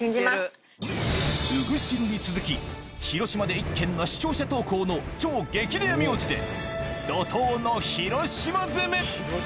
「うぐしろ」に続き広島で１軒の視聴者投稿の超激レア名字で怒濤の広島攻め！